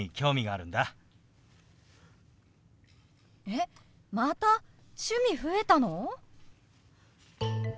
えっまた趣味増えたの！？